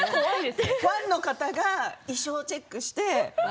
ファンの方が衣装チェックして。